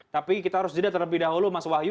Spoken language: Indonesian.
tapi kita harus jeda terlebih dahulu mas wahyu